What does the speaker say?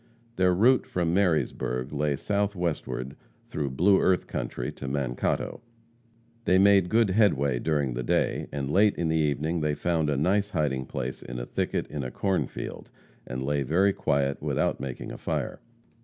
Their route from Marysburg lay southwestward through Blue Earth county, to Mankato. They made good headway during the day, and late in the evening they found a nice hiding place in a thicket in a cornfield, and lay very quiet without making a fire.